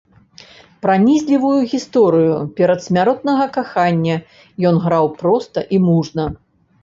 Пранізлівую гісторыю перадсмяротнага кахання ён граў проста і мужна.